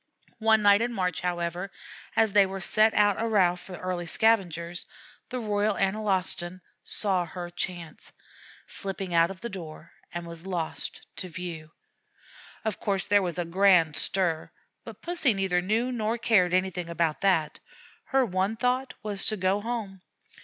One night in March, however, as they were set out a row for the early scavenger, the Royal Analostan saw her chance, slipped out of the door, and was lost to view. Of course there was a grand stir; but Pussy neither knew nor cared anything about that her one thought was to go home.